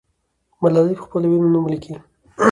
ملالۍ پخپلو وینو نوم لیکي.